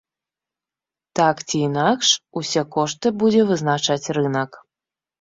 Так ці інакш, усе кошты будзе вызначаць рынак.